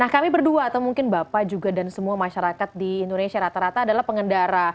jadi yang terpenting juga dan semua masyarakat di indonesia rata rata adalah pengendara